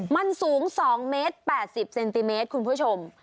มันสูง๒เมตร๘๐เซนติเมตรคุณผู้ชม